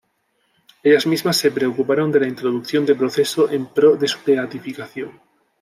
Ellas mismas se preocuparon de la introducción de proceso en pro de su beatificación.